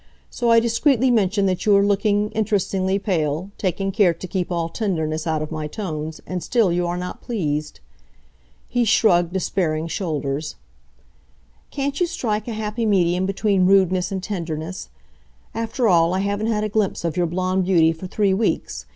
So I discreetly mention that you are looking, interestingly pale, taking care to keep all tenderness out of my tones, and still you are not pleased." He shrugged despairing shoulders. "Can't you strike a happy medium between rudeness and tenderness? After all, I haven't had a glimpse of your blond beauty for three weeks.